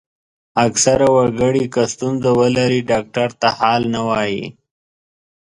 اکثره وګړي که ستونزه ولري ډاکټر ته حال نه وايي.